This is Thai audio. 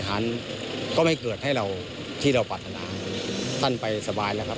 ทั้งกระจำกลม